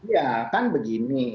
ya kan begini